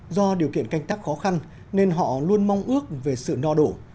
do điều kiện canh tắc khó khăn nên họ luôn mong ước về sự no đủ